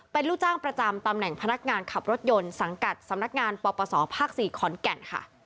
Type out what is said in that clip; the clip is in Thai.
เป็นลูกจ้างประจำตำแหน่งพนักงานขับรถยนต์สังกัดสำนักงานปปศภาค๔ขอนแก่นค่ะ